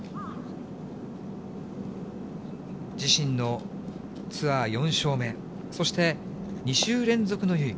自身のツアー４勝目、そして２週連続のＶ。